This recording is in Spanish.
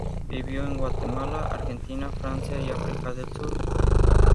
Vivió en Guatemala, Argentina, Francia y África del Sur.